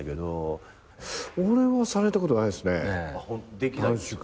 俺はされたことないっすね短縮。